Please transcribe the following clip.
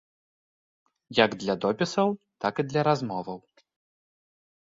Як для допісаў, так і для размоваў.